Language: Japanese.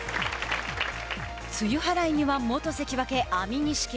露払いには元関脇・安美錦。